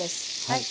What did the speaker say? はい。